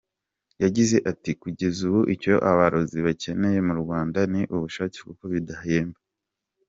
Yagize ati ‘‘Kugeza ubu icyo abarozi bakeneye mu Rwanda ni ubushake kuko bidahenda.